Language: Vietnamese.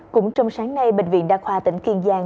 cũng trong sáng nay bệnh viện đa khoa tỉnh kiên giang